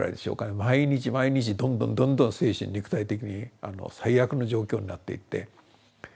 毎日毎日どんどんどんどん精神肉体的に最悪の状況になっていって。